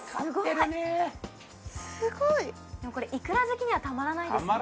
でもこれイクラ好きにはたまらないですね。